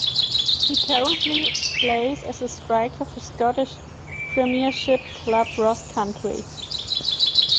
He currently plays as a striker for Scottish Premiership club Ross County.